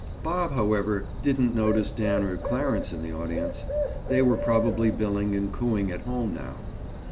Bob, however, didn't notice Dan or Clarence in the audience. They were probably billing and cooing at home now.